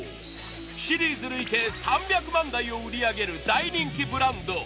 シリーズ累計３００万台を売り上げる大人気ブランド。